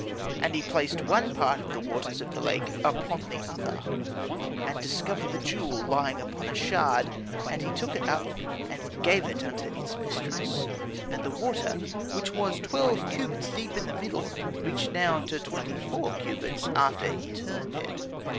And he placed one part of the waters of the lake upon the other, and discovered the jewel lying upon a shard; and he took it up and gave it unto its mistress. And the water, which was twelve cubits deep in the middle, reached now to twenty four cubits after he turned it.